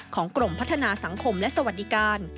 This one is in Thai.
กรมพัฒนาสังคมและสวัสดิการ